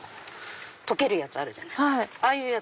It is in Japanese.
溶けるやつあるじゃない？